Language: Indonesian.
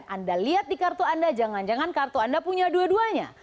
anda lihat di kartu anda jangan jangan kartu anda punya dua duanya